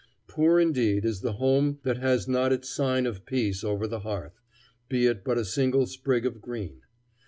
Poor indeed is the home that has not its sign of peace over the hearth, be it but a single sprig of green.